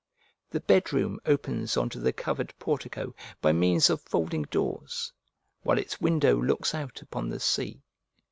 The bed room opens on to the covered portico by means of folding doors, while its window looks out upon the sea.